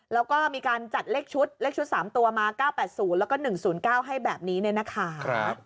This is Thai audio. แล้วก็มีการจัดเลขชุดเลขชุด๓ตัวมา๙๘๐แล้วก็๑๐๙ให้แบบนี้เนี่ยนะคะ